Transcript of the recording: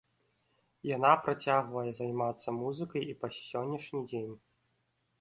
Яна працягвае займацца музыкай і па сённяшні дзень.